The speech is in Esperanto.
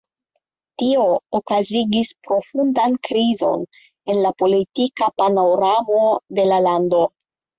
Tio okazigis profundan krizon en la politika panoramo de la lando.